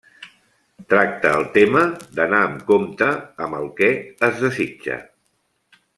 Tracta el tema d'anar amb compte amb el que es desitja.